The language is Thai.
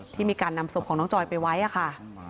ที่มีการนำศพของน้องจอยไปไว้ค่ะ